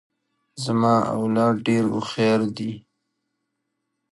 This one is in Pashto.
زما اولاد ډیر هوښیار دي.